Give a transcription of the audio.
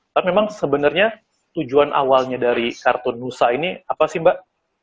tapi memang sebenarnya tujuan awalnya dari kartun nusa ini apa sih mbak